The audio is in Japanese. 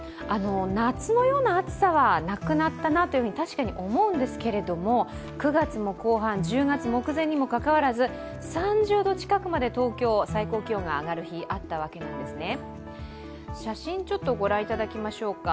夏のような暑さはなくなったなと確かに思うんですが９月も後半、１０月目前にもかかわらず、３０度近くまで東京、最高気温が上がる日があったわけなんですね。